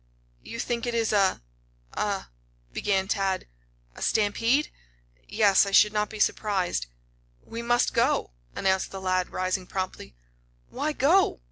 "You think it is a a " began Tad. "A stampede? Yes; I should not be surprised." "We must go," announced the lad, rising promptly. "Why go?"